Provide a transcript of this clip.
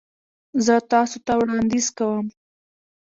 زه تاسو ته وړاندیز کوم